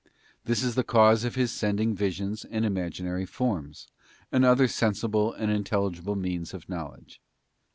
This is the cause of His sending visions and imaginary forms, and other sensible and intel ligible means of knowledge.